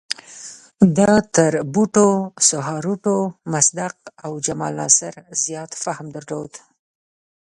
ده تر بوټو، سوهارتو، مصدق او جمال ناصر زیات فهم درلود.